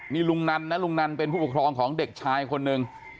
นี่ลุงนันนะลุงนันเป็นผู้ปกครองของเด็กชายคนหนึ่ง